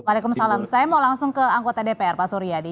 waalaikumsalam saya mau langsung ke anggota dpr pak suryadi